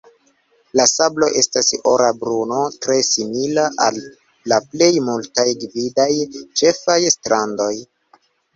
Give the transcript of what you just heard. La sablo estas ora bruno, tre simila al la plej multaj gvidaj ĉefaj strandoj.